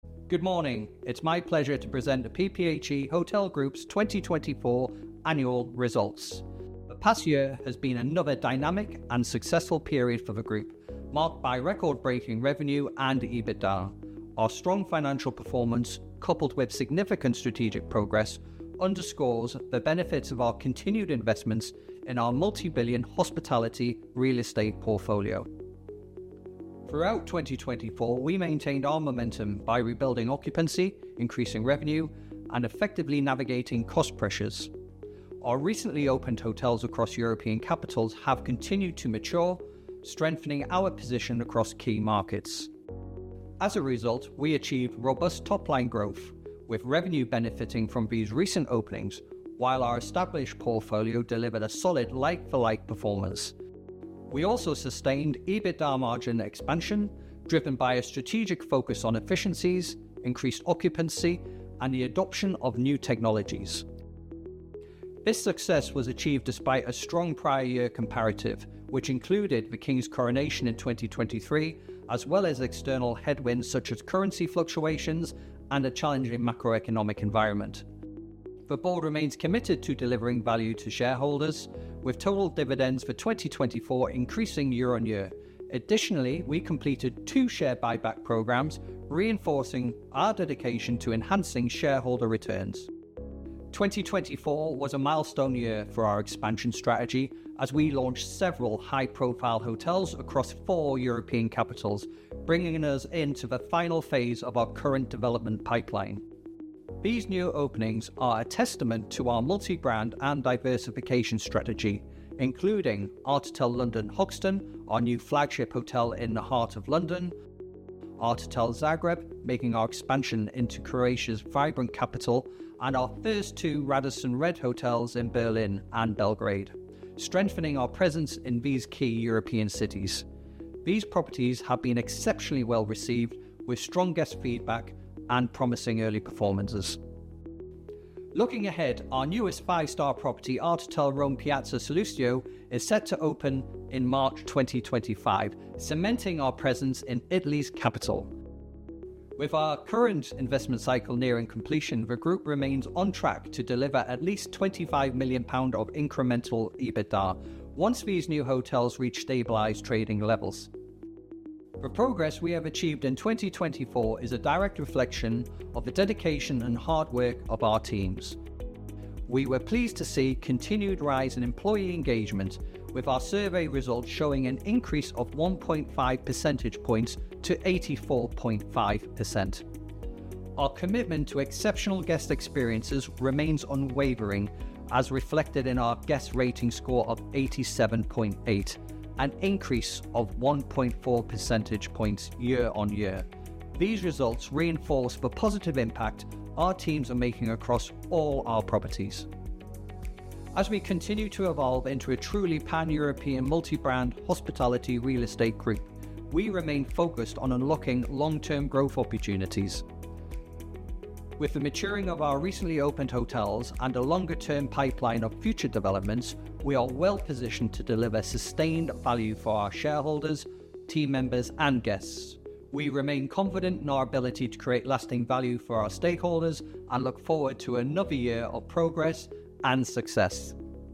Good morning. It's my pleasure to present the PPHE Hotel Group's 2024 annual results. The past year has been another dynamic and successful period for the Group, marked by record-breaking revenue and EBITDA. Our strong financial performance, coupled with significant strategic progress, underscores the benefits of our continued investments in our multi-billion hospitality real estate portfolio. Throughout 2024, we maintained our momentum by rebuilding occupancy, increasing revenue, and effectively navigating cost pressures. Our recently opened hotels across European capitals have continued to mature, strengthening our position across key markets. As a result, we achieved robust top-line growth, with revenue benefiting from these recent openings, while our established portfolio delivered a solid like-for-like performance. We also sustained EBITDA margin expansion, driven by a strategic focus on efficiencies, increased occupancy, and the adoption of new technologies. This success was achieved despite a strong prior-year comparative, which included the King's Coronation in 2023, as well as external headwinds such as currency fluctuations and a challenging macroeconomic environment. The Board remains committed to delivering value to shareholders, with total dividends for 2024 increasing year-on-year. Additionally, we completed two share buyback programs, reinforcing our dedication to enhancing shareholder returns. 2024 was a milestone year for our expansion strategy, as we launched several high-profile hotels across four European capitals, bringing us into the final phase of our current development pipeline. These new openings are a testament to our multi-brand and diversification strategy, including art'otel London Hoxton, our new flagship hotel in the heart of London, art'otel Zagreb, making our expansion into Croatia's vibrant capital, and our first two Radisson RED hotels in Berlin and Belgrade, strengthening our presence in these key European cities. These properties have been exceptionally well received, with strong guest feedback and promising early performances. Looking ahead, our newest five-star property, art'otel Rome Piazza Sallustio, is set to open in March 2025, cementing our presence in Italy's capital. With our current investment cycle nearing completion, the Group remains on track to deliver at least 25 million pound of incremental EBITDA once these new hotels reach stabilized trading levels. The progress we have achieved in 2024 is a direct reflection of the dedication and hard work of our teams. We were pleased to see a continued rise in employee engagement, with our survey results showing an increase of 1.5 percentage points to 84.5%. Our commitment to exceptional guest experiences remains unwavering, as reflected in our Guest Rating Score of 87.8, an increase of 1.4 percentage points year-on-year. These results reinforce the positive impact our teams are making across all our properties. As we continue to evolve into a truly pan-European multi-brand hospitality real estate Group, we remain focused on unlocking long-term growth opportunities. With the maturing of our recently opened hotels and a longer-term pipeline of future developments, we are well positioned to deliver sustained value for our shareholders, team members, and guests. We remain confident in our ability to create lasting value for our stakeholders and look forward to another year of progress and success.